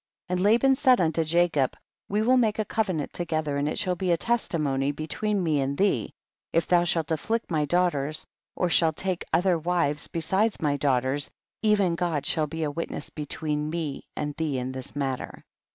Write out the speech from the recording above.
5L And Laban said unto Jacob, we will make a covenant together and it shall be a testimony between me and thee ; if thou shalt afflict my daughters, or shalt take other wives besides my daughters, even God shall be a witness between me and thee in this matter.